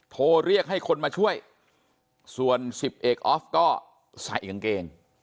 โทรเรียกให้คนมาช่วยส่วนสิบเอกออฟก็ใส่กางเกง